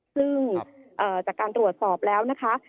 ซึ่งจากการตรวจสอบแล้วนะคะ